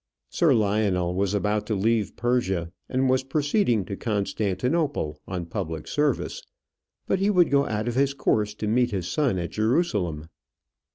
Sir Lionel was about to leave Persia, and was proceeding to Constantinople on public service; but he would go out of his course to meet his son at Jerusalem.